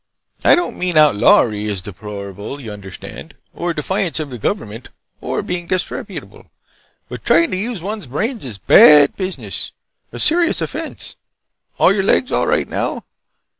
"I don't mean outlawry is deplorable, you understand, or defiance of the government, or being disreputable. But trying to use one's brains is bad business! A serious offense! Are your legs all right now?